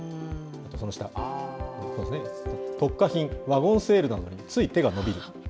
その下、特価品、ワゴンセールなどについ手が伸びる。